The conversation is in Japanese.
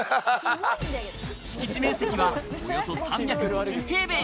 敷地面積はおよそ３５０平米。